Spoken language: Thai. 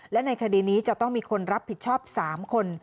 และในคดีนี้จะต้องมีคนรับผิดชอบ๓คน